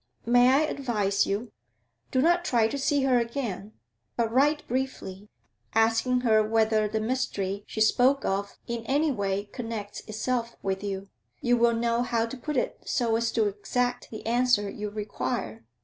May I advise you? Do not try to see her again, but write briefly, asking her whether the mystery she spoke of in any way connects itself with you. You will know how to put it so as to exact the answer you require.